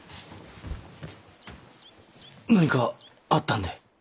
何かあったんで？